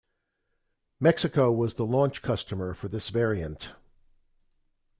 Mexico was the launch customer for this variant.